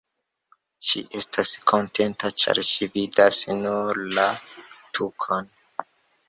Ŝi estas kontenta, ĉar ŝi vidas nur la tukon.